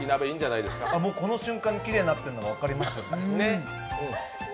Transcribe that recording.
僕、この瞬間にきれいになってるのが分かりますね。